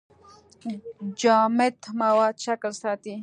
جامد مواد شکل ساتي.